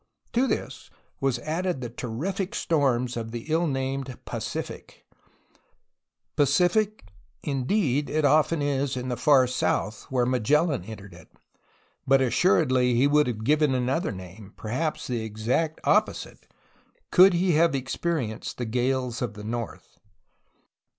To this was added the terrific storms of the ill named "Pacific." Pacific indeed it often is in the far south where Magellan entered it, but assuredly he would have given another name, perhaps the exact oppo THE EFFECTS OF GEOGRAPHY UPON CALIFORNIA 5 site, could he have experienced the gales of the north.